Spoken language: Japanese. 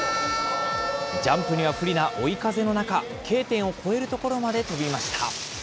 ジャンプには不利な追い風の中、Ｋ点を超える所まで飛びました。